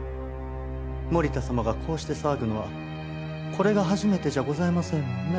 森田様がこうして騒ぐのはこれが初めてじゃございませんもんね。